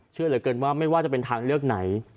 เชื่อเหลือเกินว่าไม่ว่าจะเป็นทางเลือกไหน